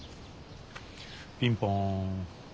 ピンポン。